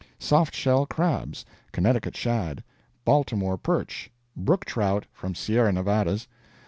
Soft shell crabs. Connecticut shad. Baltimore perch. Brook trout, from Sierra Nevadas.